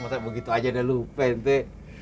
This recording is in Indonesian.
masa begitu aja udah lupa de